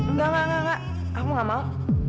enggak enggak enggak enggak aku gak mau